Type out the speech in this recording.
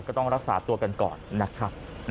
ก็ต้องรักษาตัวกันก่อนนะครับ